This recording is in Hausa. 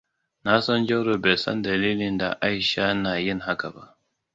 Na san Jauro bai san dalilin Aisha na yin haka ba.